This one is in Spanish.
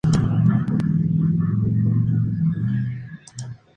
Las autoridades involucraron a expertos en el procedimiento.